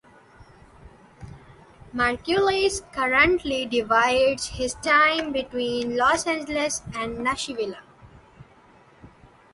Margulies currently divides his time between Santa Barbara, Los Angeles, and Nashville.